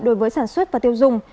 đối với sản xuất và tiêu dùng